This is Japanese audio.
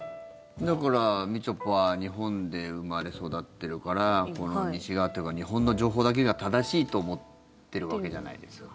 だから、みちょぱは日本で生まれ育ってるから西側というか日本の情報だけが正しいと思ってるわけじゃないですか。